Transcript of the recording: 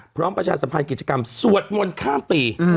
ประชาสัมพันธ์กิจกรรมสวดมนต์ข้ามปี